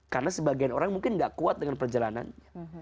karena sebagian orang mungkin tidak kuat dengan perjalanannya